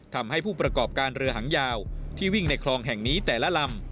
ทำให้ผู้ประกอบการเรือหางยาวที่วิ่งในคลองแห่งนี้แต่ละลำ